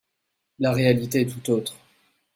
La réalité est tout autre.